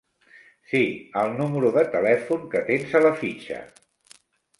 Sí, al número de telèfon que tens a la fitxa.